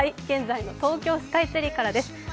現在の東京スカイツリーからです。